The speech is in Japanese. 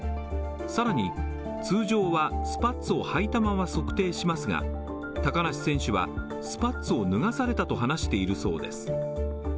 更に通常はスパッツをはいたまま測定しますが高梨選手は、スパッツを脱がされたと話しているそうです。